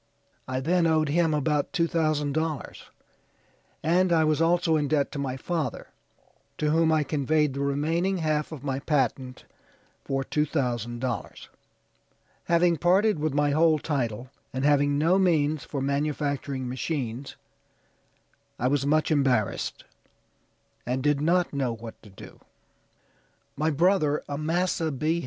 I then owed him about two thousand dollars, and I was also in debt to my father, to whom I conveyed the remaining half of my patent for two thousand dollars. Having parted with my whole title, and having no means for manufacturing machines, I was much embarrassed, and did not know what to do." "My brother, Amasa B.